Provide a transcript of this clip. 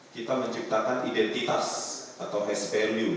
kita menciptakan identitas atau hash value